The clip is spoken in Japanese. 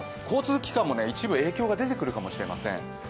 交通機関も一部影響が出てくるかもしれません。